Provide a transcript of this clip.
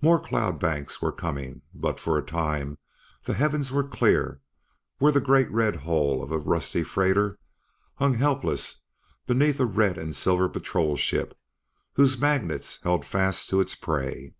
More cloud banks were coming, but, for a time, the heavens were clear where the great red hull of a rusty freighter hung helpless beneath a red and silver Patrol Ship whose magnets held fast to its prey.